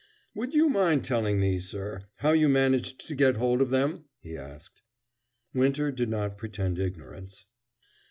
"Would you mind telling me, sir, how you managed to get hold of 'em?" he asked. Winter did not pretend ignorance.